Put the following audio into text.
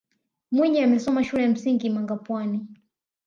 mwinyi amesoma shule ya msingi mangapwani